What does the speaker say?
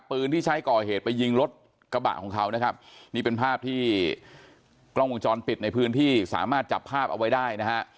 ปืนที่ใช้ก่อเหตุไปยิงรถกระบะของเขานะครับนี่เป็นภาพที่กล้องวงจรปิดในพื้นที่สามารถจับภาพเอาไว้ได้นะฮะ